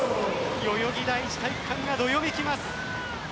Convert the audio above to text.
代々木第一体育館がどよめきます。